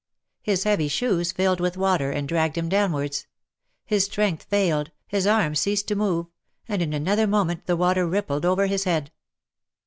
His heavy shoes filled with water, and dragged him downwards — his strength failed, his arms ceased to move, and in another moment the water rippled over his head.